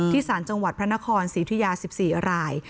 ที่สารจังหวัดพระนครสิทธิยา๑๔อร่าย